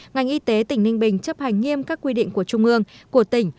ngành y tế tỉnh ninh bình chấp hành nghiêm các quy định của trung ương của tỉnh